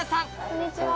こんにちは。